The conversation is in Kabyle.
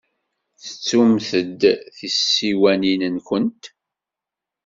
Tettumt-d tisiwanin-nwent.